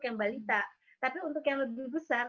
yang balita tapi untuk yang lebih besar